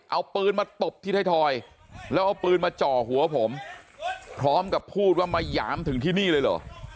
เอาปืนมาตบที่ไทยทอยแล้วเอาปืนมาจ่อหัวผมพร้อมกับพูดว่ามาหยามถึงที่นี่เลยเหรอ